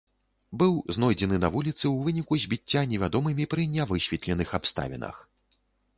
Быў знойдзены на вуліцы ў выніку збіцця невядомымі пры нявысветленых абставінах.